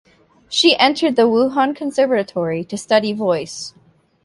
She entered the Wuhan Conservatoire to study voice.